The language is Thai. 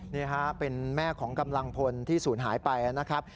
นี่ฮะเป็นแม่ของกำลังพลที่ศูนย์หายไปนะครับ